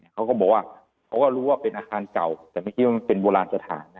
เขาก็รู้ว่าเป็นอาคารเก่าแต่ไม่ที่ว่าเป็นโบราณสถาน